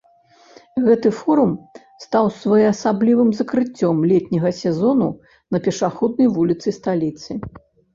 Гэты форум стаў своеасаблівым закрыццём летняга сезону на пешаходнай вуліцы сталіцы.